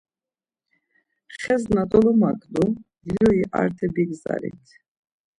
Xes na dolomaǩnu, juri arte bigzalit.